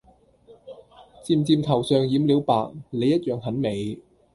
漸漸頭上染了白你一樣很美